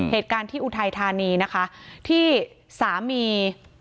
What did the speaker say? เหตุการณ์ที่อุทัยธานีนะคะที่สามี